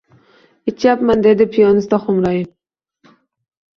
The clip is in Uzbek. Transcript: Ichyapman, — dedi piyonista xo‘mrayib.